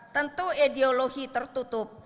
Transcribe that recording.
tentu ideologi tertutup